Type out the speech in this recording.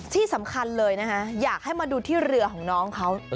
ที่สำคัญเลยนะคะอยากให้มาดูที่เรือของน้องเขา